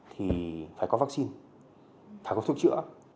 thì phải có vaccine phải có thuốc chữa